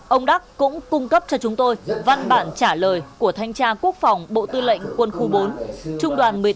ông đắc cũng cung cấp cho chúng tôi văn bản trả lời của thanh tra quốc phòng bộ tư lệnh quân khu bốn